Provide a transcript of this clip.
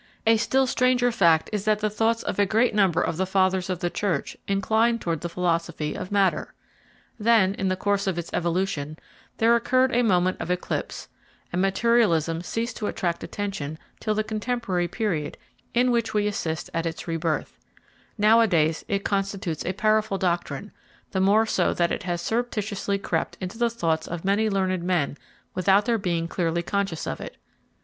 A still stranger fact is that the thoughts of a great number of the Fathers of the Church inclined towards the philosophy of matter. Then, in the course of its evolution, there occurred a moment of eclipse, and materialism ceased to attract attention till the contemporary period in which we assist at its re birth, Nowadays, it constitutes a powerful doctrine, the more so that it has surreptitiously crept into the thoughts of many learned men without their being clearly conscious of it.